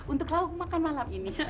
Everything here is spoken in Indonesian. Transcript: untuk lalu makan malam ini